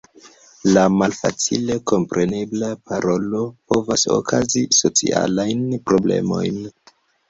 La malfacile komprenebla parolo povas okazi socialajn problemojn.